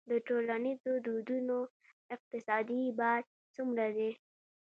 د ټولنیزو دودونو اقتصادي بار څومره دی؟